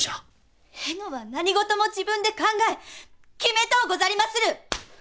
可愛は何事も自分で考え決めとうござりまする！